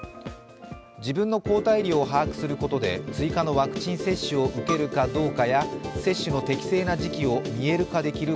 自分の抗体量を把握することで追加のワクチン接種を受けるかどうかや、接種の適正な時期を見える化できる